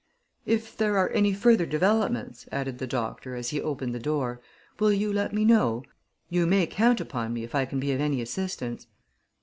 "If there are any further developments," added the doctor, as he opened the door, "will you let me know? You may count upon me, if I can be of any assistance."